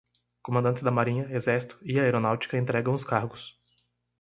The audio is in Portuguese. Comandantes da marinha, exército e aeronáutica entregam os cargos